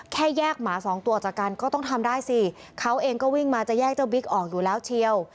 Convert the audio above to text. แค่แยกหมาสองตัวออกจากกันก็ต้องทำได้สิเขาเองก็วิ่งมาจะแยกเจ้าบิ๊กออกอยู่แล้วเชียว